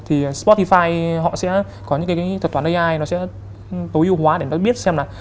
thì spotify họ sẽ có những cái thuật toán ai nó sẽ tối ưu hóa để nó biết xem là